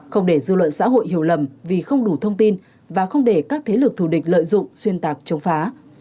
không để dư luận xã hội hiểu lầm vì không đủ thông tin và không để các thế lực thù địch lợi dụng xuyên tạc chống phá